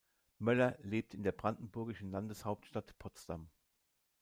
Moeller lebt in der brandenburgischen Landeshauptstadt Potsdam.